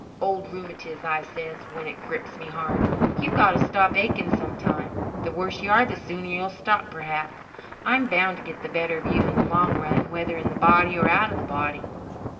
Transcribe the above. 'Old rheumatiz,' I says, when it grips me hard, 'you've got to stop aching sometime. The worse you are the sooner you'll stop, perhaps. I'm bound to get the better of you in the long run, whether in the body or out of the body.'"